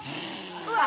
うわ！